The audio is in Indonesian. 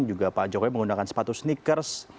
juga pak jokowi menggunakan sepatu sneakers